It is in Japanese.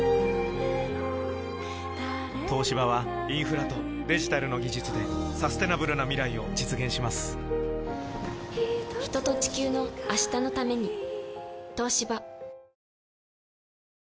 東芝はインフラとデジタルの技術でサステナブルな未来を実現します人と、地球の、明日のために。